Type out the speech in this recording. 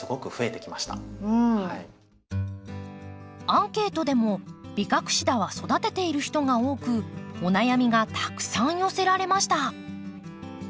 アンケートでもビカクシダは育てている人が多くお悩みがたくさん寄せられました。